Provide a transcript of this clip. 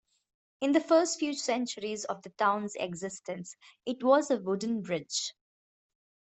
In the first few centuries of the town's existence, it was a wooden bridge.